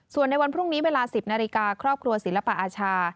ส่วนในวันพรุ่งนี้เวลา๑๐นาฬิกาครอบครัวศิลปอาชา